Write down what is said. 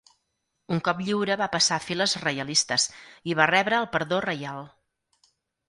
Un cop lliure va passar a files reialistes i va rebre el perdó reial.